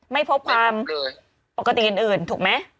ไม่พบความปกติอื่นถูกไหม